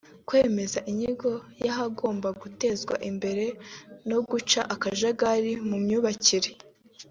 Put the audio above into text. kwemeza inyigo y’ahagomba gutezwa imbere no guca akajagari mu myubakire